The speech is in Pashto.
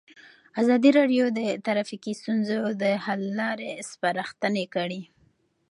ازادي راډیو د ټرافیکي ستونزې د ستونزو حل لارې سپارښتنې کړي.